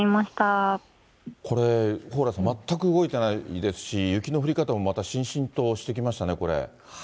これ、蓬莱さん、全く動いてないですし、雪の降り方もまたしんしんとしてきましたね、これ。